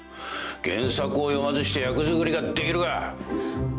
原作を読まずして役作りができるか。